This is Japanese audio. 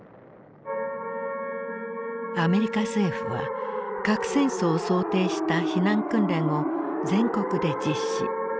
アメリカ政府は核戦争を想定した避難訓練を全国で実施。